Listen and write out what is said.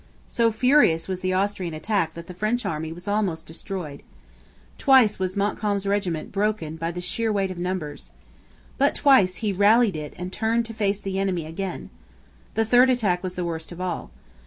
So furious was the Austrian attack that the French army was almost destroyed. Twice was Montcalm's regiment broken by sheer weight of numbers. But twice he rallied it and turned to face the enemy again. The third attack was the worst of all.